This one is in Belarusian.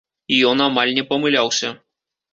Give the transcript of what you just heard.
І ён амаль не памыляўся.